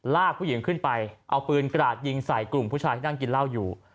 ลากผู้หญิงขึ้นไปเอาปืนกราดยิงใส่กลุ่มผู้ชายที่นั่งกินเหล้าอยู่